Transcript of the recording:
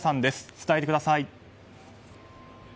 伝えてください。